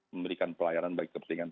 memberikan pelayanan bagi kepentingan